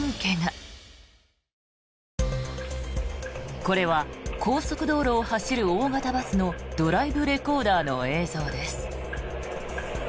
これは高速道路を走る大型バスのドライブレコーダーの映像です。